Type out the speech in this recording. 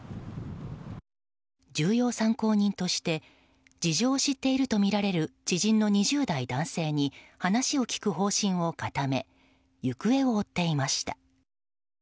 重要参考人として事情を知っているとみられる知人の２０代男性に話を聞く方針を固め行方を追っていました。